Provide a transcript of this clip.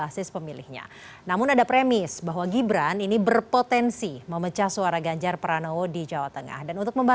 selamat malam mas ujang mas arya